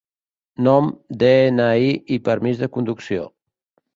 Nom, de-ena-i i permís de conducció.